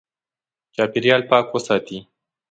چاپېریال پاک وساتې.